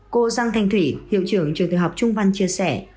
cô giang thanh thủy hiệu trưởng trường tiểu học trung văn chia sẻ